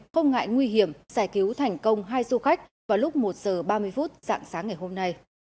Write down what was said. không ngại nguy hiểm giải cứu thành công hai du khách vào lúc một giờ ba mươi phút dạng sáng ngày hôm nay